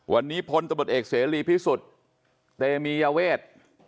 วันนี้พลตำรวจเอกเสรีพิสุทธิ์เตมียเวท